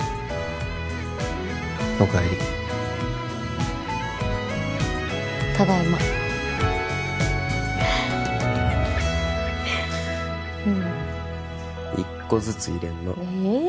おかえりただいま１個ずつ入れるのええ